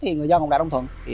thì người dân cũng đã đồng thuận